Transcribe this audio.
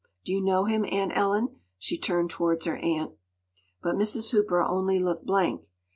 Do you know him, Aunt Ellen?” She turned towards her aunt. But Mrs. Hooper only looked blank.